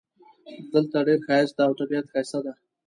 دلته ډېر ښایست ده او طبیعت ښایسته ده